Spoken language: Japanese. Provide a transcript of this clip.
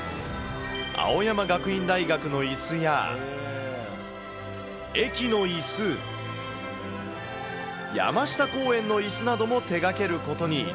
青山学院大学のいすや、駅のいす、山下公園のいすなども手がけることに。